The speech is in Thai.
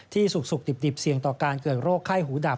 สุกดิบเสี่ยงต่อการเกิดโรคไข้หูดับ